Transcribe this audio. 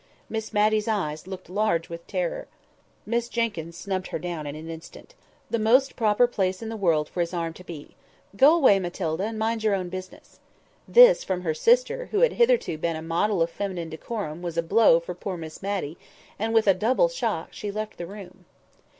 Miss Matty's eyes looked large with terror. [Picture: "With his arm around Miss Jessie's waist!"] Miss Jenkyns snubbed her down in an instant. "The most proper place in the world for his arm to be in. Go away, Matilda, and mind your own business." This from her sister, who had hitherto been a model of feminine decorum, was a blow for poor Miss Matty, and with a double shock she left the room.